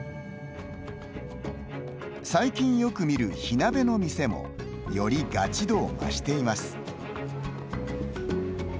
最近よく見る火鍋の店もよりガチ度を増しています。